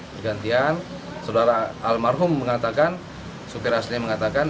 bergantian saudara almarhum mengatakan supir aslinya mengatakan